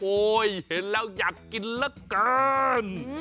โอ๊ยเห็นแล้วอยากกินแล้วกัน